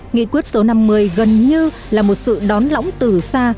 nghị quyết số năm mươi gần như là một sự đón lõng từ xa